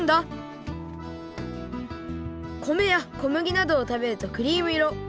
米や小麦などをたべるとクリーム色